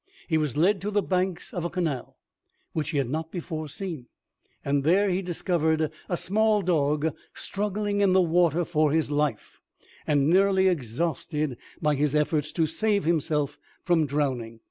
He was led to the banks of a canal, which he had not before seen, and there he discovered a small dog struggling in the water for his life, and nearly exhausted by his efforts to save himself from drowning.